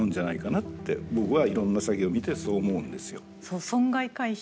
僕はいろんな詐欺を見てそう思うんですよ。